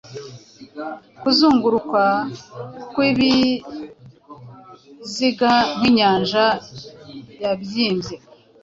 kuzunguruka kw'ibiziga Nk’inyanja yabyimbye,